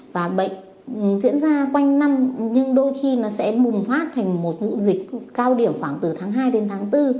và bệnh diễn ra quanh năm nhưng đôi khi nó sẽ bùng phát thành một vụ dịch cao điểm khoảng từ tháng hai đến tháng bốn